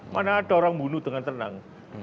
mana ada orang bunuh dengan tenang